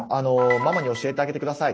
ママに教えてあげて下さい。